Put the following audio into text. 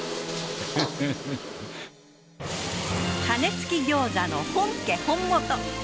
羽根付き餃子の本家本元。